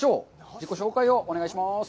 自己紹介をお願いします。